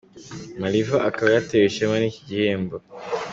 Maliva akaba yatewe ishema n’iki gihembo.